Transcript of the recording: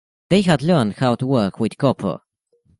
They had learned how to work with copper.